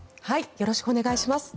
よろしくお願いします。